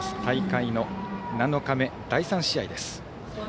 大会の７日目、第３試合です。